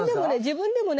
自分でもね